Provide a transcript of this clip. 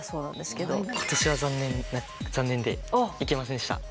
今年は残念で行けませんでした。